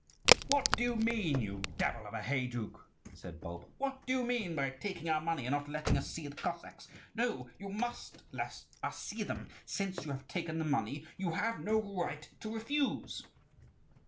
"What do you mean, you devil of a heyduke?" said Bulba. "What do you mean by taking our money and not letting us see the Cossacks? No, you must let us see them. Since you have taken the money, you have no right to refuse."